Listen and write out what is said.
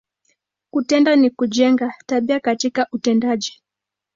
Kutenda, ni kujenga, tabia katika utendaji.